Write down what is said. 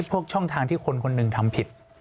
ช่องทางที่คนคนหนึ่งทำผิด